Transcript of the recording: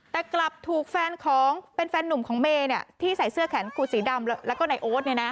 แต่กลับถูกแฟนของเป็นแฟนนุ่มของเมย์เนี่ยที่ใส่เสื้อแขนกุดสีดำแล้วก็ไหนโอ๊ตเนี่ยนะ